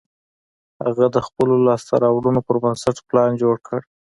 هغه د خپلو لاسته رواړنو پر بنسټ پلان جوړ کړ